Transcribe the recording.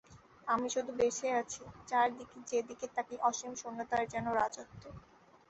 আমি শুধু বেঁচে আছি, চারদিকে যেদিকে তাকাই অসীম শূন্যতার যেন রাজত্ব।